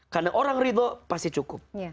karena orang ridho pasti cukup